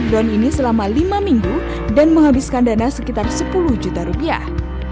drone ini selama lima minggu dan menghabiskan dana sekitar sepuluh juta rupiah